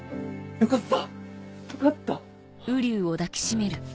よかった。